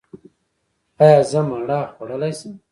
ایا زه مڼه خوړلی شم؟